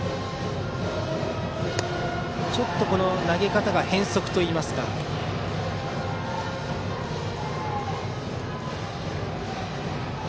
ちょっと投げ方が変則といいますかね。